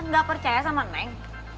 nggak percaya sama neng